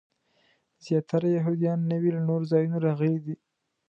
زیاتره یهودیان نوي له نورو ځایونو راغلي دي.